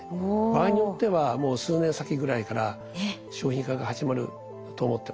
場合によってはもう数年先ぐらいから商品化が始まると思ってます。